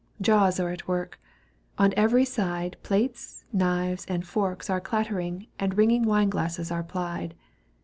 Jaws are at work. On every side Plates, knives and forks are clattering And ringing wine glasses are plied.